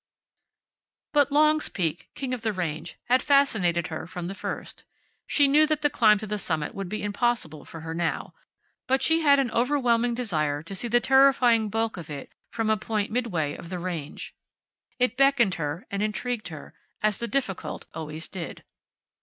But Long's Peak, king of the range, had fascinated her from the first. She knew that the climb to the summit would be impossible for her now, but she had an overwhelming desire to see the terrifying bulk of it from a point midway of the range. It beckoned her and intrigued her, as the difficult always did.